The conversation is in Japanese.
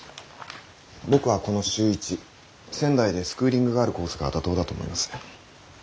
僕はこの週１仙台でスクーリングがあるコースが妥当だと思います。